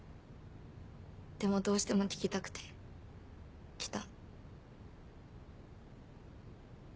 でもどうしても聞きたくて来た。